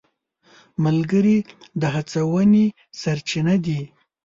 ملګري د هڅونې سرچینه دي.